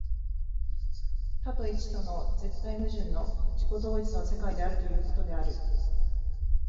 多と一との絶対矛盾の自己同一の世界であるということである。